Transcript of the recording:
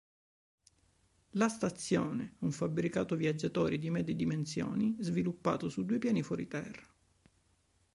La stazione un fabbricato viaggiatori di medie dimensioni, sviluppato su due piani fuori terra.